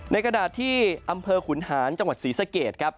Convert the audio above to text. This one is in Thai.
กระดาษที่อำเภอขุนหานจังหวัดศรีสะเกดครับ